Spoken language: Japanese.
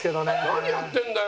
何やってんだよ